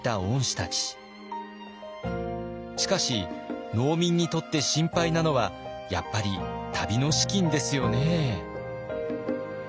しかし農民にとって心配なのはやっぱり旅の資金ですよね。